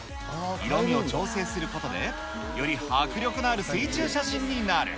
色味を調整することで、より迫力のある水中写真になる。